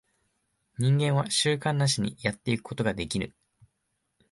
人間は習慣なしにやってゆくことができぬ。